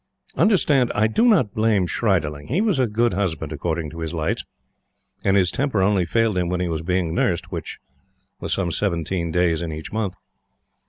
Understand, I do not blame Schriederling. He was a good husband according to his lights, and his temper only failed him when he was being nursed. Which was some seventeen days in each month.